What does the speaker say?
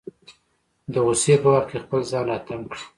د غوسې په وخت کې خپل ځان راتم کړي.